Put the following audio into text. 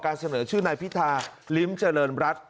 เสนอชื่อนายพิธาลิ้มเจริญรัฐ